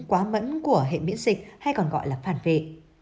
quá mẫn của hệ miễn dịch hay còn gọi là phản vệ